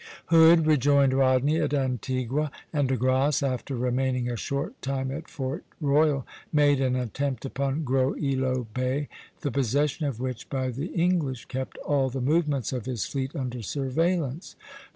Hood rejoined Rodney at Antigua; and De Grasse, after remaining a short time at Fort Royal, made an attempt upon Gros Ilot Bay, the possession of which by the English kept all the movements of his fleet under surveillance.